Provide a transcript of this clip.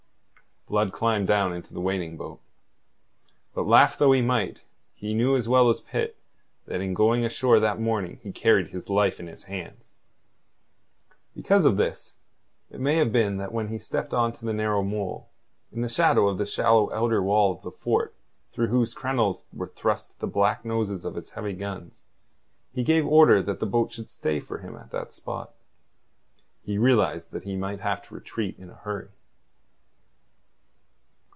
Blood climbed down into the waiting boat. But laugh though he might, he knew as well as Pitt that in going ashore that morning he carried his life in his hands. Because of this, it may have been that when he stepped on to the narrow mole, in the shadow of the shallow outer wall of the fort through whose crenels were thrust the black noses of its heavy guns, he gave order that the boat should stay for him at that spot. He realized that he might have to retreat in a hurry.